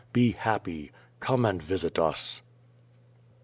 Be happy. Come and visit us!